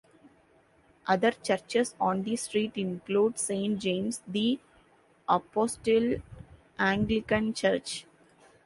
Other churches on the street include Saint James the Apostle Anglican Church.